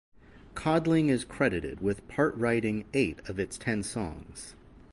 Codling is credited with part-writing eight of its ten songs.